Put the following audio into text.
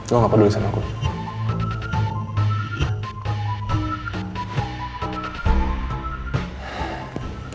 lo gak peduli sama aku